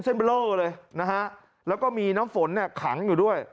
เบลอเลยนะฮะแล้วก็มีน้ำฝนเนี่ยขังอยู่ด้วย